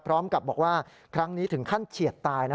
พร้อมกับบอกว่าครั้งนี้ถึงขั้นเฉียดตายนะ